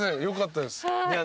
よかったです。